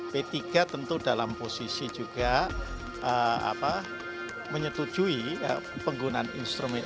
p tiga tentu dalam posisi juga menyetujui penggunaan instrumen